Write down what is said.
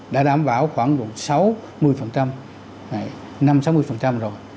đã đảm bảo khoảng sáu mươi năm sáu mươi rồi